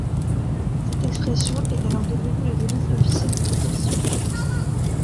Cette expression est alors devenue la devise officielle de la division.